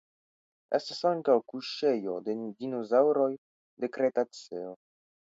Estas ankaŭ kuŝejo de dinosaŭroj de Kretaceo.